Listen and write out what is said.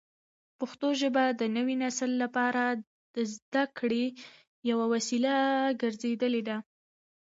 پښتو ژبه د نوي نسل لپاره د زده کړې یوه وسیله ګرځېدلې ده.